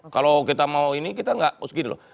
kalau kita mau ini kita gak harus gini loh